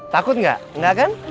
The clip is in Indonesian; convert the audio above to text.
takut gak enggak kan